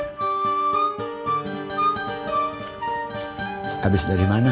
habis dari mana